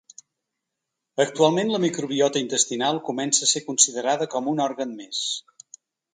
Actualment, la microbiota intestinal comença a ser considerada com un òrgan més.